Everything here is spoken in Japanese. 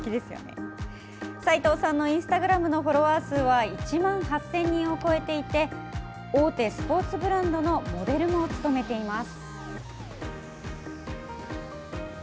齋藤さんのインスタグラムのフォロワー数は１万８０００人を超えていて大手スポーツブランドのモデルも務めています。